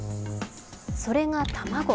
それが卵。